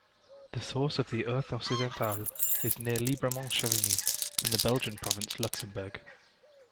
The source of the "Ourthe Occidentale" is near Libramont-Chevigny, in the Belgian province Luxembourg.